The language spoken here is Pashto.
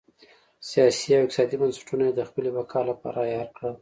سیاسي او اقتصادي بنسټونه یې د خپلې بقا لپاره عیار کړل.